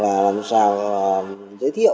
và làm sao giới thiệu